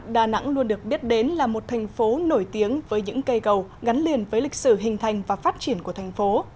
đà nẵng luôn được biết đến là một thành phố nổi tiếng với những cây cầu gắn liền với lịch sử hình thành và phát triển của thành phố